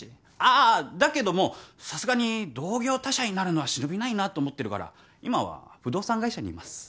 あぁだけどもさすがに同業他社になるのは忍びないなと思ってるから今は不動産会社にいます。